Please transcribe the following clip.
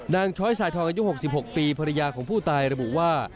ช้อยสายทองอายุ๖๖ปีภรรยาของผู้ตายระบุว่า